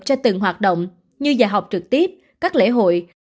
cho từng hoạt động như giờ học trực tiếp các lễ hội